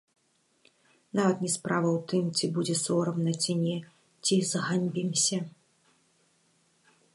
Нават не справа ў тым, ці будзе сорамна, ці не, ці зганьбімся.